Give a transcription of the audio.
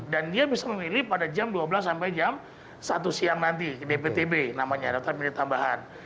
dan dia bisa memilih pada jam dua belas sampai jam satu siang nanti dptb namanya daftar pemilih tambahan